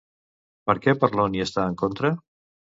Per què Parlon hi està en contra?